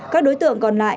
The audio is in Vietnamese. các đối tượng còn lại